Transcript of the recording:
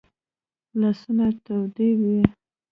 لاسونه تودې وي